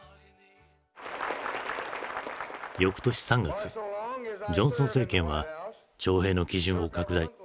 よくとし３月ジョンソン政権は徴兵の基準を拡大。